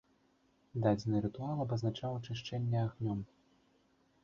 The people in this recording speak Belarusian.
Дадзены рытуал абазначаў ачышчэнне агнём.